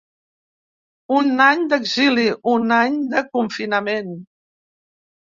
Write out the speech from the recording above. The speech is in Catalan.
Un any d'exili, un any de confinament.